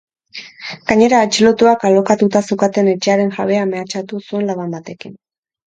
Gainera, atxilotuak alokatuta zeukaten etxearen jabea mehatxatu zuen laban batekin.